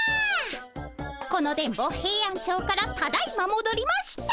この電ボヘイアンチョウからただいまもどりました。